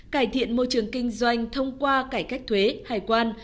cải thiện môi trường kinh doanh thông qua cải cách thuế hải quan